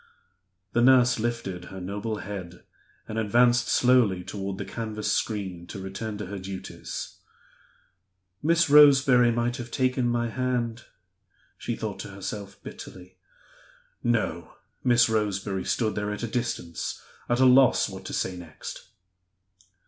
The nurse lifted her noble head and advanced slowly toward the canvas screen to return to her duties. "Miss Roseberry might have taken my hand!" she thought to herself, bitterly. No! Miss Roseberry stood there at a distance, at a loss what to say next.